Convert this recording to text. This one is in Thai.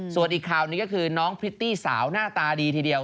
ส่วนอีกข่าวนี้ก็คือน้องพริตตี้สาวหน้าตาดีทีเดียว